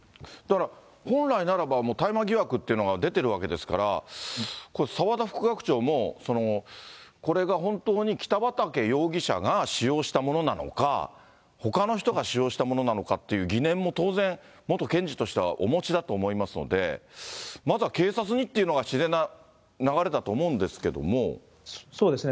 本来ならば、大麻疑惑っていうのが出てるわけですから、これ、澤田副学長も、これが本当に北畠容疑者が使用したものなのか、ほかの人が使用したものなのかっていう疑念も当然、元検事としてはお持ちだと思いますので、まずは警察にっていうのが自然な流れだそうですね。